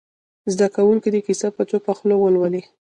زده کوونکي دې کیسه په چوپه خوله ولولي.